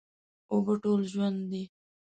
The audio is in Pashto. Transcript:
اوبه ټول ژوند دي.